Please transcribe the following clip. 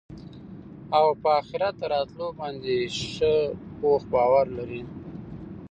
او په آخرت راتلو باندي ښه پوخ باور لري